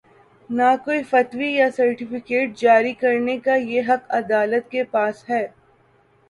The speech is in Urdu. نہ کوئی فتوی یا سرٹیفکیٹ جاری کر نے کا یہ حق عدالت کے پاس ہے۔